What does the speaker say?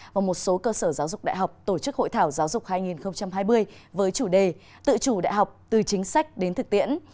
và một số cơ sở giáo dục đại học tổ chức hội thảo giáo dục hai nghìn hai mươi với chủ đề tự chủ đại học từ chính sách đến thực tiễn